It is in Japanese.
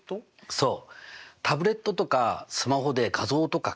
そう！